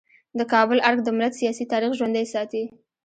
د کابل ارګ د ملت سیاسي تاریخ ژوندی ساتي.